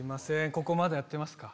ここまだやってますか？